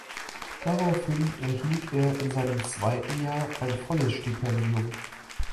Daraufhin erhielt er in seinem zweiten Jahr ein volles Stipendium.